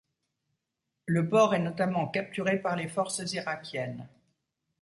Le port est notamment capturé par les forces irakiennes.